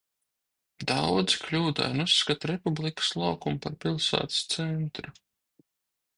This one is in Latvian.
Daudzi kļūdaini uzskata Republikas laukumu par pilsētas centru.